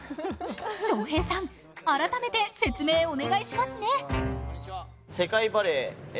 翔平さん、改めて説明お願いしますね。